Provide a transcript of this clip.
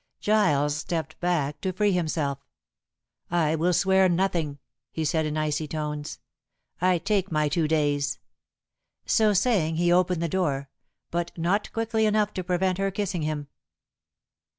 Giles stepped back to free himself. "I will swear nothing," he said in icy tones. "I take my two days." So saying he opened the door, but not quickly enough to prevent her kissing him.